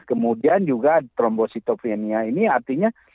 kemudian juga trombositovia ini artinya